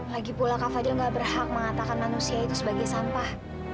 lagipula kak fadil gak berhak mengatakan manusia itu sebagai sampah